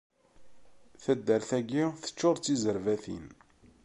Taddart-agi teččur d tizerbatin.